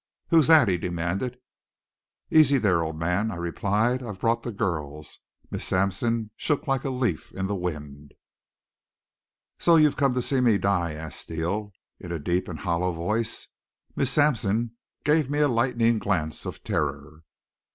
"Who's that?" he demanded. "Easy there, old man," I replied. "I've brought the girls." Miss Sampson shook like a leaf in the wind. "So you've come to see me die?" asked Steele in a deep and hollow voice. Miss Sampson gave me a lightning glance of terror.